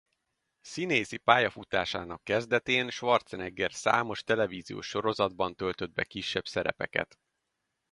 Színészi pályafutásának kezdetén Schwarzenegger számos televíziós sorozatban töltött be kisebb szerepeket.